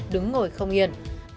đứng ngồi không yên